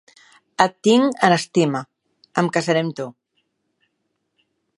Et tinc en estima. Em casaré amb tu.